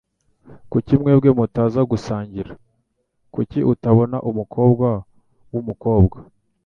Kuki mwembi mutaza gusangira? ] Kuki utabona umukobwa wumukobwa?